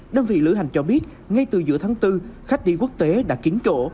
đơn vị lữ hành cho biết ngay từ giữa tháng bốn khách đi quốc tế đã kín chỗ